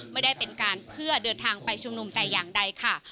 ไม่ได้เป็นการเพื่อเดินทางไปชุมนุมแต่อย่างใดค่ะ